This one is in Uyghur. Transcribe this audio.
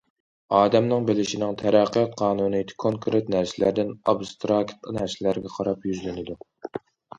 ئادەمنىڭ بىلىشىنىڭ تەرەققىيات قانۇنىيىتى كونكرېت نەرسىلەردىن ئابستراكت نەرسىلەرگە قاراپ يۈزلىنىدۇ.